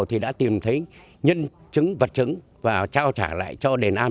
thì đã tìm thấy nhân chứng vật chứng và trao trả lại cho đền an